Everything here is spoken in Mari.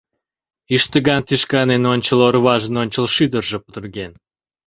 Ӱштыган тӱшкан эн ончыл орважын ончыл шӱдыржӧ пудырген.